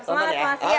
semangat mas siap